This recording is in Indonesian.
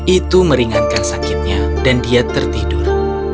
itu meringankan sakitnya dan dia tertidur